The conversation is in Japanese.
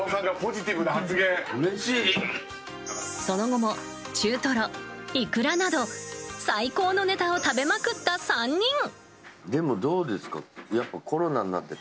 その後も中トロ、イクラなど最高のネタを食べまくった３人。